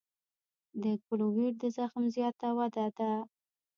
د کیلویډ د زخم زیاته وده ده.